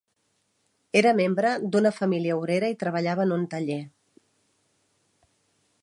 Era membre d'una família obrera i treballava en un taller.